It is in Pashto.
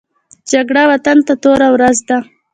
جګړه وطن ته توره ورځ ده